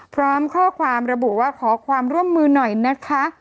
พร้อมข้อความระบุว่าขอความร่วมมือหน่อยนะคะ